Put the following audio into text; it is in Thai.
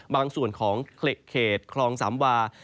บางส่วนของเขตคลองสามวา